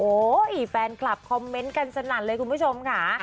โอ้โหแฟนคลับคอมเมนต์กันสนั่นเลยคุณผู้ชมค่ะ